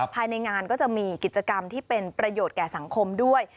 ภายในงานก็จะมีกิจกรรมที่เป็นประโยชน์แก่สังคมด้วย